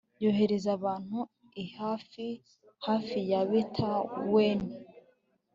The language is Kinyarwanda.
yohereza abantu i hayi hafi ya betaweni